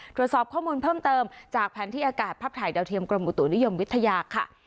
ตรวจสอบข้อมูลเพิ่มเติมจากแผนที่อากาศภาพถ่ายดาวเทียมกรมอุตุนิยมวิทยาค่ะ